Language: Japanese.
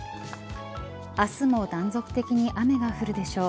明日も断続的に雨が降るでしょう。